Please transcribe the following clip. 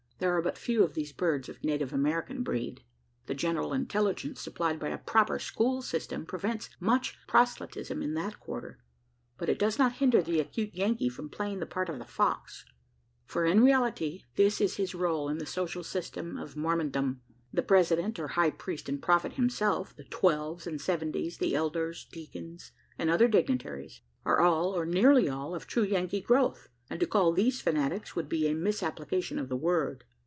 There are but few of these "birds" of native American breed. The general intelligence, supplied by a proper school system, prevents much proselytism in that quarter; but it does not hinder the acute Yankee from playing the part of the fox: for in reality this is his role in the social system of Mormondom. The President or "High Priest and Prophet" himself, the Twelves and Seventies, the elders, deacons, and other dignitaries, are all, or nearly all, of true Yankee growth; and to call these "fanatics" would be a misapplication of the word.